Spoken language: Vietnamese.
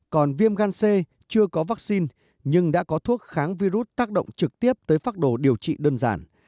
còn viêm gan c chưa có vaccine nhưng đã có thuốc kháng virus tác động trực tiếp tới phác đồ điều trị đơn giản